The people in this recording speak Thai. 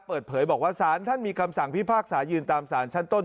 เปิดเผยบอกว่าสารท่านมีคำสั่งพิพากษายืนตามสารชั้นต้น